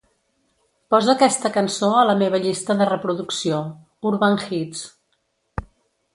Posa aquesta cançó ala meva llista de reproducció "Urban Hits".